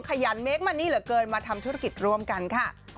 ขยันเมคมันนี่เหลือเกินมาทำธุรกิจร่วมกันค่ะ